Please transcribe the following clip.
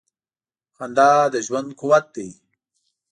• خندا د ژوند قوت دی.